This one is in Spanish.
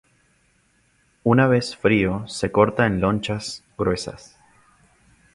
Una vez frío, se corta en lonchas gruesas.